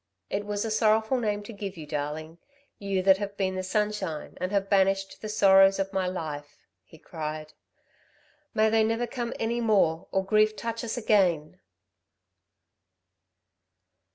"It was a sorrowful name to give you, darling, you that have been the sunshine, and have banished the sorrows of my life," he cried. "May they never come any more or grief touch us again!"